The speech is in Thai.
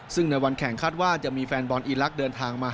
ซึ่งในวันแข่งคาดว่าจะมีแฟนบอลอีลักษณ์เดินทางมา